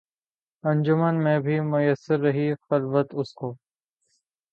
انجمن میں بھی میسر رہی خلوت اس کو